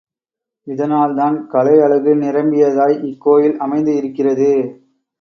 இதனால்தான் கலை அழகு நிரம்பியதாய் இக்கோயில் அமைந்து இருக்கிறது.